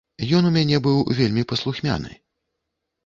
Ён у мяне быў вельмі паслухмяны.